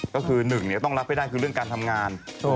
ก็คือหนึ่งต้องรับให้ได้คือเรื่องการทำงาน